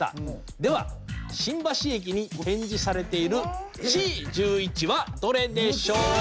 では新橋駅に展示されているＣ１１はどれでしょうか？